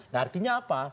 nah artinya apa